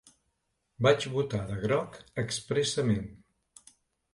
Vaig votar de groc expressament.